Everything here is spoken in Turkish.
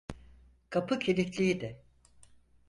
Kapı kilitliydi.